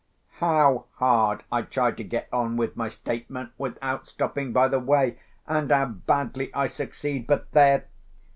How hard I try to get on with my statement without stopping by the way, and how badly I succeed! But, there!